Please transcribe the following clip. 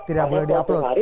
tidak boleh di upload